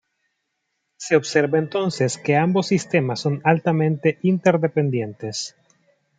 Se observa entonces que ambos sistemas son altamente interdependientes.